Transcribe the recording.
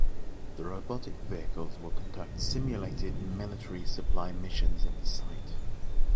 The robotic vehicles will conduct simulated military supply missions at the site.